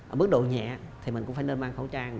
ở mức độ nhẹ thì mình cũng phải nên mang khẩu trang